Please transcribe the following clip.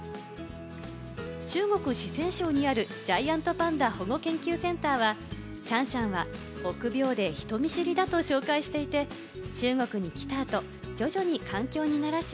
中国・四川省にあるジャイアントパンダ保護研究センターは、シャンシャンは臆病で人見知りだと紹介していて、中国に来た後、徐々に環境に慣らし、